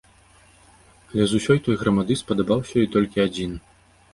Але з усёй той грамады спадабаўся ёй толькі адзін.